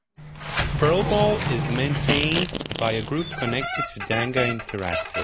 Perlbal is maintained by a group connected to Danga Interactive.